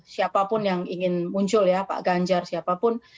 siapapun yang ingin muncul ya pak ganjar siapapun